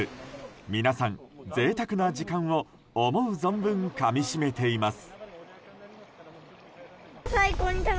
皆さん、贅沢な時間を思う存分かみしめています。